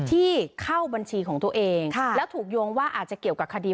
ที่เข้าบัญชีของตัวเองแล้วถูกโยงว่าอาจจะเกี่ยวกับคดี